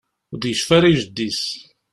Ur d-yecfi ara i jeddi-s.